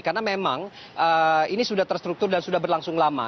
karena memang ini sudah terstruktur dan sudah berlangsung lama